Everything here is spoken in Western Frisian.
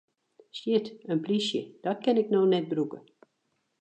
Shit, in plysje, dat kin ik no net brûke!